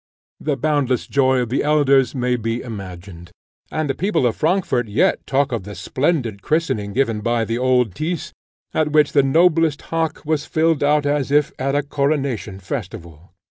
The boundless joy of the elders may be imagined, and the people of Frankfort yet talk of the splendid christening given by the old Tyss, at which the noblest hock was filled out as if at a coronation festival.